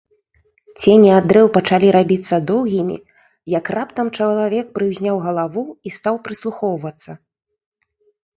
Цені ад дрэў пачалі рабіцца доўгімі, як раптам чалавек прыўзняў галаву і стаў прыслухоўвацца.